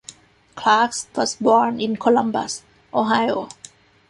Klages was born in Columbus, Ohio.